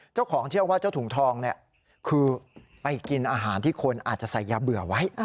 เจ้าของเชื่อว่าเจ้าถุงทองเนี่ยคือไปกินอาหารที่คนอาจจะใส่ยาเบื่อไว้